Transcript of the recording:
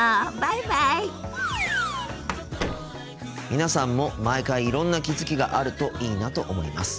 皆さんも毎回いろんな気付きがあるといいなと思います。